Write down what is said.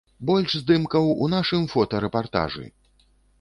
Больш здымкаў у нашым фотарэпартажы!